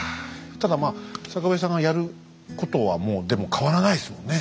ただまあ坂上さんがやることはもうでも変わらないですもんね。